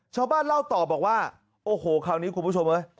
ชาวบ้านเล่าต่อบอกว่าโอ้โหคราวนี้คุณผู้ชมเฮ้ย